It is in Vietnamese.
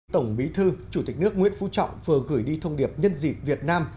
tổng bí thư chủ tịch nước nguyễn phú trọng vừa gửi đi thông điệp nhân dịp việt nam